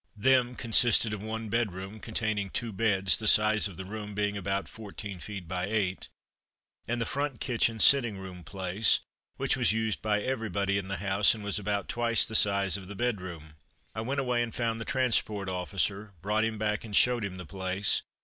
"Them" consisted of one bedroom, containing two beds, the size of the room being about fourteen feet by eight, and the front kitchen sitting room place, which was used by everybody in the house, and was about twice the size of the bedroom. I went away and found the transport officer, brought him back and showed him the place.